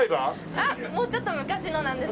あっもうちょっと昔のなんです。